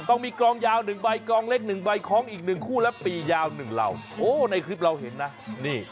ต้องมีกลองยาวหนึ่งใบกรองเล็กหนึ่งใบคล้องอีกหนึ่งคู่และปียาวหนึ่งเหล่าโอ้ในคลิปเราเห็นนะนี่